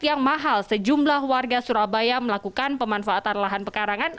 yang mahal sejumlah warga surabaya melakukan pemanfaatan lahan pekarangan